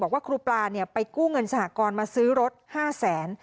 บอกว่าครูปลาไปกู้เงินสหกรณ์มาซื้อรถ๕แสน